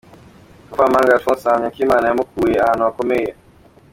Kavamahanga Alphonse ahamya ko Imana yamukuye ahantu hakomeye.